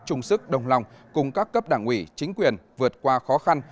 trung sức đồng lòng cùng các cấp đảng quỷ chính quyền vượt qua khó khăn